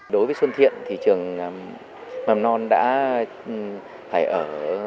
đối với xuân thiện thì trường mầm non đã phải ở